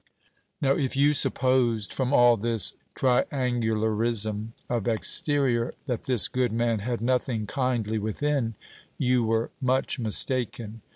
Now, if you supposed, from all this triangularism of exterior, that this good man had nothing kindly within, you were much mistaken.